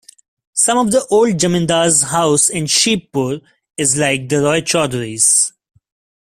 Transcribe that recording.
Some of the old jamindar's house in shibpur is like the Roy Choudhury's.